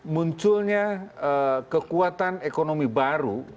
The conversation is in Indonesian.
munculnya kekuatan ekonomi baru